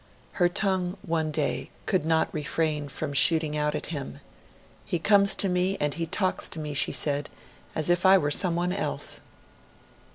Her tongue, one day, could not refrain from shooting out at him: 'He comes to me, and he talks to me,' she said, 'as if I were someone else.'